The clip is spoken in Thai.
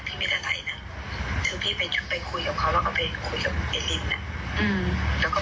พี่ไม่ได้ไลค์นะพี่ไม่ได้ไลค์นะ